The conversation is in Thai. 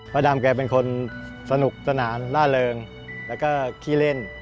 ดำแกเป็นคนสนุกสนานล่าเริงแล้วก็ขี้เล่น